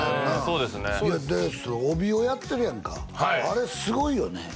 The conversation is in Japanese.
そうですね帯をやってるやんかあれすごいよね